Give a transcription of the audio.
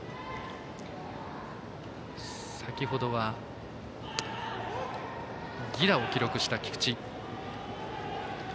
先程は犠打を記録した菊池。